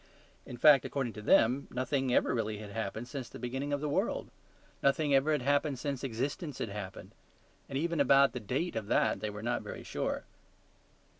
In fact, according to them, nothing ever really had happened since the beginning of the world. Nothing ever had happened since existence had happened; and even about the date of that they were not very sure.